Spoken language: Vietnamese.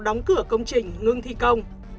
đóng cửa công trình ngưng thi công